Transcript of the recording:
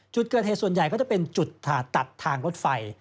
จุดเกิดเหตุส่วนใหญ่ก็จะเป็นจุดผ่าตัดทางรถไฟ